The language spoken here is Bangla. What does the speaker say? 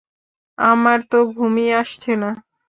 আমার তো ঘুমই আসছে না।